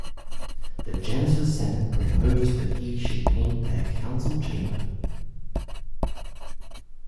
The Genisis senate proposed that he should paint their council chamber.